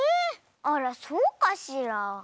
あらそうかしら。